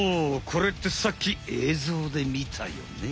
これってさっきえいぞうでみたよね。